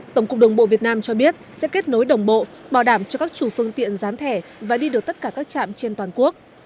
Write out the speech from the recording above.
tổng cục đường bộ việt nam cho biết sẽ kết nối đồng bộ bảo đảm cho các chủ phương tiện dán thẻ và đi được tất cả các trạm trên toàn quốc